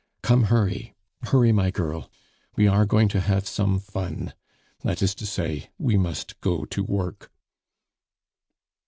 Come, hurry, hurry, my girl; we are going to have some fun that is to say, we must go to work."